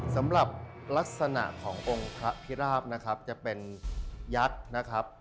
สำหรับลักษณะขององค์พระพิราบนะครับจะเป็นยักษ์นะครับ